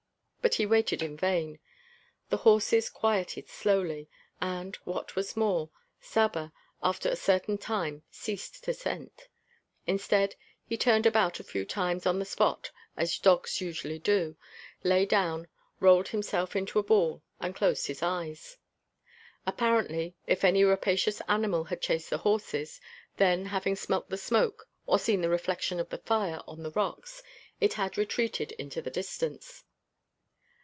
But he waited in vain. The horses quieted slowly, and what was more, Saba after a certain time ceased to scent. Instead, he turned about a few times on the spot as dogs usually do, lay down, rolled himself into a ball and closed his eyes. Apparently, if any rapacious animal had chased the horses, then, having smelt the smoke or seen the reflection of the fire on the rocks, it had retreated into the distance.